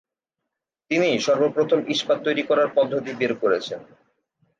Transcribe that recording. তিনিই সর্বপ্রথম ইস্পাত তৈরী করার পদ্ধতি বের করেছেন।